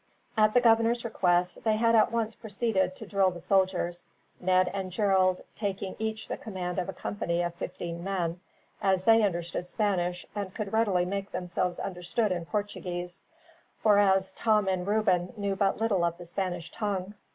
At the governor's request, they had at once proceeded to drill the soldiers, Ned and Gerald taking each the command of a company of fifteen men, as they understood Spanish and could readily make themselves understood in Portuguese, whereas Tom and Reuben knew but little of the Spanish tongue.